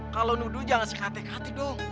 kalau nuduh jangan sakit hati dong